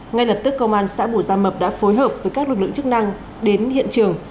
ngay lập tức công an xã bù gia mập đã phối hợp với các lực lượng chức năng đến hiện trường